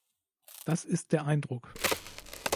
Das ist der Eindruck.